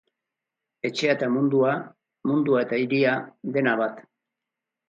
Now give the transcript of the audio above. Etxea eta mundua, mundua eta hiria, dena bat.